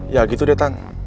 ya gitu deh tan